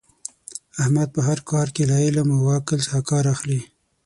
احمد په هر کار کې له علم او عقل څخه کار اخلي.